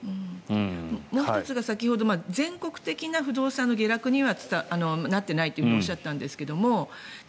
もう１つが先ほど全国的な不動産の下落にはつながっていないとおっしゃっていたんですがで